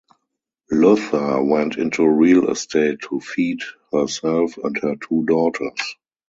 Luther went into real estate to feed herself and her two daughters.